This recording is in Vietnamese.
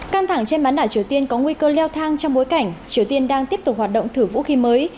căng thẳng trên bán đảo triều tiên có nguy cơ leo thang trong bối cảnh triều tiên đang tiếp tục hoạt động thử vũ khí mới